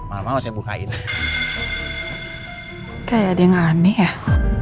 mau mau saya bukain kayak dia nggak aneh ya